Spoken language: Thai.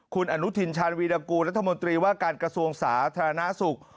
คุณอนุทินชาญวีรกูรัฐมนตรีว่าการกระทรวงสาธารณสุข